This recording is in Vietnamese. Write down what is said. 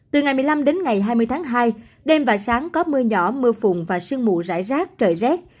từ ngày một mươi năm đến ngày hai mươi tháng hai đêm và sáng có mưa nhỏ mưa phùn và sương mù rải rác trời rét